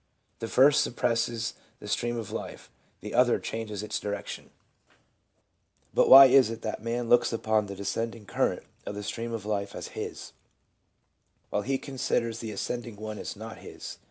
The first suppresses the stream of life, the other changes its direction. But why is it that man looks upon the descending current of the stream of life as his, while he considers the ascend ing one as not his?